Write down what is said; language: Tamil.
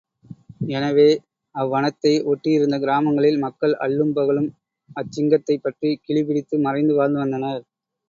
எனவே அவ்வனத்தை ஒட்டியிருந்த கிராமங்களில் மக்கள் அல்லும் பகலும் அச்சிங்கத்தைப்பற்றிக் கிலி பிடித்து மறைந்து வாழ்ந்து வந்தனர்.